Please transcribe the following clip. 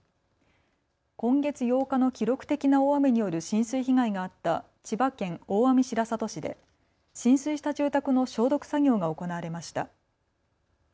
今月８日の記録的な大雨による浸水被害があった千葉県大網白里市で浸水した住宅の消毒作業が行われました。